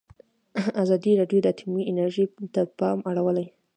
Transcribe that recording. ازادي راډیو د اټومي انرژي ته پام اړولی.